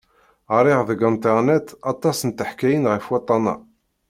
Ɣriɣ deg anternet aṭas n teḥkayin ɣef waṭṭan-a.